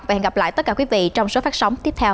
và hẹn gặp lại tất cả quý vị trong số phát sóng tiếp theo